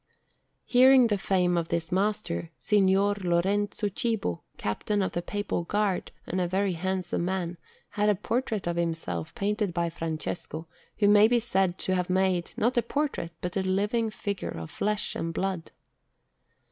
Hearing the fame of this master, Signor Lorenzo Cibo, Captain of the Papal Guard, and a very handsome man, had a portrait of himself painted by Francesco, who may be said to have made, not a portrait, but a living figure of flesh and blood.